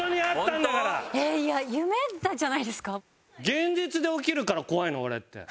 現実で起きるから怖いの俺って。